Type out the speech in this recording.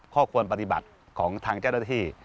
ข้อบังคับข้อควรปฏิบัติของทางเจ้าหน้าที่